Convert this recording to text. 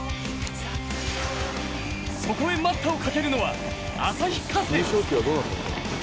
そこへ待ったをかけるのは旭化成。